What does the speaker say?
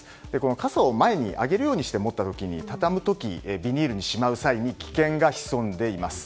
傘を前に上げるようにして持った時に畳む時ビニールにしまう際に危険が潜んでいます。